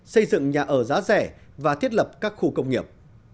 xây dựng nhà ở giá rẻ và thiết lập các khu công nghiệp